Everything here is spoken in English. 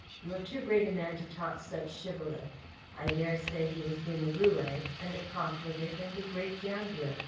"You are too great a man to talk such shibboleth. I dare say he has been a roué, and a profligate and a great gambler.